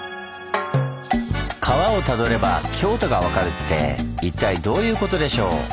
「川をたどれば京都がわかる⁉」って一体どういうことでしょう？